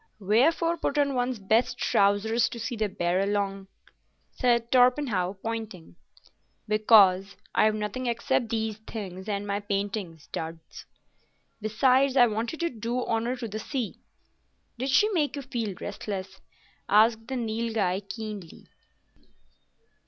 "Wherefore put on one's best trousers to see the Barralong?" said Torpenhow, pointing. "Because I've nothing except these things and my painting duds. Besides, I wanted to do honour to the sea." "Did She make you feel restless?" asked the Nilghai, keenly.